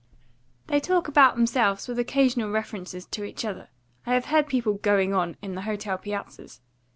"They talk about themselves, with occasional references to each other. I have heard people 'going on' on the hotel piazzas.